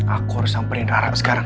aku harus samperin rarak sekarang